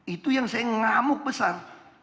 itu yang saya ngamuk besar